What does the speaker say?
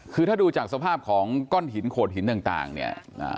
คือถ้าดูจากสภาพของก้อนหินโขดหินต่างต่างเนี่ย